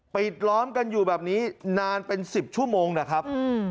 ปิดล้อมกันอยู่แบบนี้นานเป็น๑๐ชั่วโมงนะครับ